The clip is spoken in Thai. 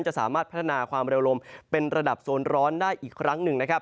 จะสามารถพัฒนาความเร็วลมเป็นระดับโซนร้อนได้อีกครั้งหนึ่งนะครับ